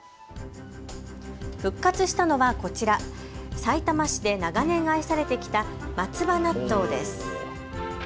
復活したのはこちら、さいたま市で長年愛されてきた松葉納豆です。